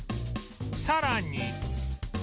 さらに